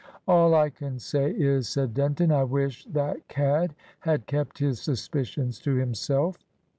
"All I can say is," said Denton, "I wish that cad had kept his suspicions to himself."